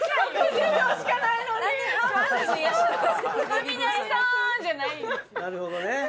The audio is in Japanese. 「カミナリさん！」じゃないんですよ。